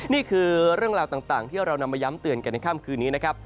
นี่คือเรื่องราวต่างที่เรานำมาย้ำเตือนกันในค่ำคืนนี้นะครับ